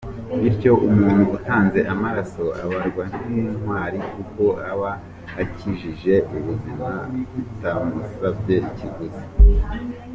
Bityo umuntu utanze amaraso abarwa nk’intwari, kuko aba akijije ubuzima bitamusabye ikiguzi.